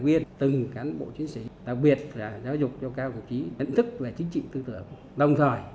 nguyên từng cán bộ chiến sĩ đặc biệt là giáo dục cao cầu trí nhận thức về chính trị tư tưởng đồng thời